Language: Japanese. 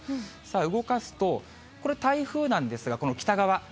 動かすと、これ、台風なんですが、この北側。